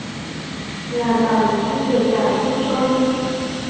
là bà ấy cũng về cản không cho đi